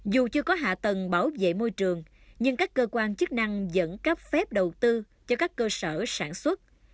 dù chưa có hạ tầng bảo vệ môi trường nhưng các cơ quan chức năng vẫn cấp phép đầu tư cho các cơ sở sản xuất